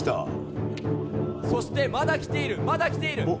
そしてまだ着ている、まだ着ている。